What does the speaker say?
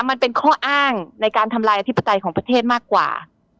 มันเป็นข้ออ้างในการทำลายอธิปไตยของประเทศมากกว่า